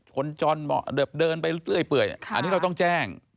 คนจรเหมือนเดินไปเรื่อยเปื่อยอันนี้เราต้องแจ้ง